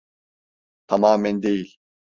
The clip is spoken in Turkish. Tamamen değil.